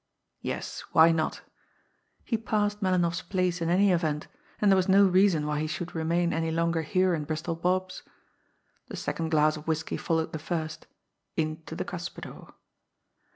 Yes, why not! He passed Melinoff's place in any event, and there was no reason why he should remain any longer here in Bristol Bob's. The second glass of whisky followed the first into the cuspidor.